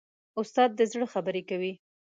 استاد د زړه خبرې کوي.